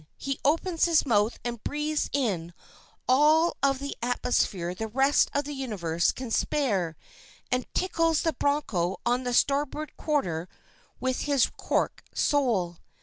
He opens his mouth and breaths in all of the atmosphere the rest of the universe can spare, and tickles the broncho on the starboard quarter with his cork sole.